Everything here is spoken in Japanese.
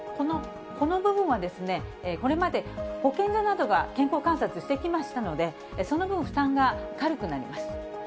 この部分は、これまで保健所などが健康観察してきましたので、その分、負担が軽くなります。